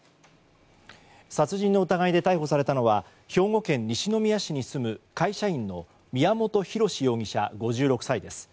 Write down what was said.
殺人の疑いで逮捕されたのは兵庫県西宮市に住む会社員の宮本浩志容疑者５６歳です。